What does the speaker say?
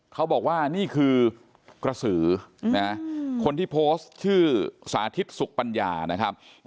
เขาบอกว่านี่คือกระสือคนที่โพสต์ชื่อสาธิตสุขปัญญานะครับ